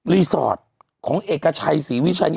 สอดของเอกชัยศรีวิชัย